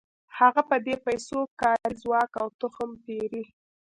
هغه په دې پیسو کاري ځواک او تخم پېري